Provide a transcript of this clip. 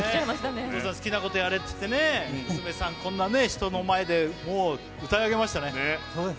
お父さん、好きなことやれって、娘さん、こんな人前でもう歌い上げましたね。